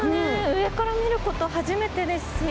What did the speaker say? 上から見ること初めてですし。